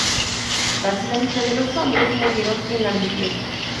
Casi la mitad de los hombres murieron en la misión.